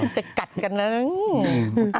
จะกัดกันนะ